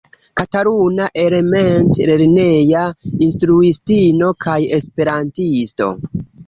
Kataluna element-lerneja instruistino kaj esperantisto.